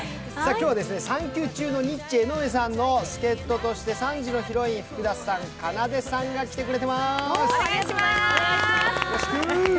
今日は産休中のニッチェ・江上さんに代わって、助っととして３時のヒロイン、福田さん、かなでさんが来てくれています。